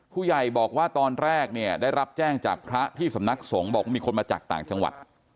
ผู้ใหญ่บอกว่าตอนแรกเนี่ยได้รับแจ้งจากพระที่สำนักสงฆ์บอกว่ามีคนมาจากต่างจังหวัด